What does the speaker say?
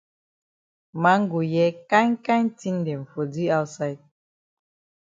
Man go hear kind kind tin dem for di outside.